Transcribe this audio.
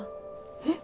えっ？